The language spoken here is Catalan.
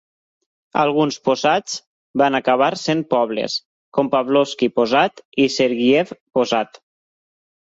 Alguns possads van acabar sent pobles, com Pavlovsky Possad i Sergiev Possad.